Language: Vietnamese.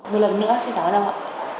một lần nữa xin cảm ơn ông ạ